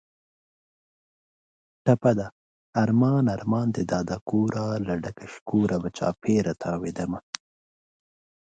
ټپه ده: ارمان ارمان دې دادا کوره، له ډکه شکوره به چاپېره تاوېدمه